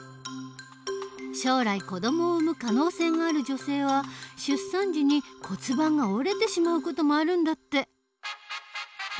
将来子どもを産む可能性がある女性は出産時に骨盤が折れてしまう事もあるんだって。